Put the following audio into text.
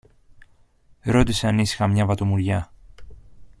ρώτησε ανήσυχα μια βατομουριά.